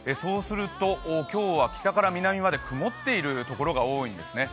今日は北から南まで曇っているところが多いんですね。